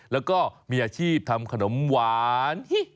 แล้วก็มีอาชีพทำขนมหวาน